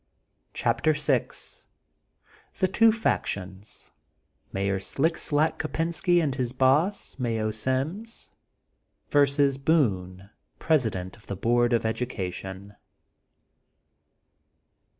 CHAPTEE VI THB TWO FACTIONS:— MAYOR SLICK SLACK KOPBNSKT AND HIS BOSS. MAYO SIMS; VERSUS BOONB, PRESIDENT OF THB BOARD OF EDUCATION.